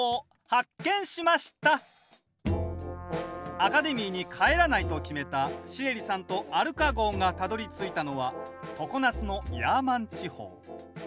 アカデミーに帰らないと決めたシエリさんとアルカ号がたどりついたのは常夏のヤーマン地方。